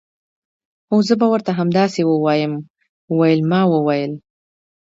هو زه به ورته همداسې ووایم ویلما وویل